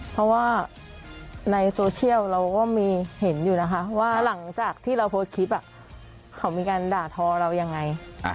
เพราะว่าในโซเชียลเราก็มีเห็นอยู่นะคะว่าหลังจากที่เราโพสต์คลิปเขามีการด่าทอเรายังไง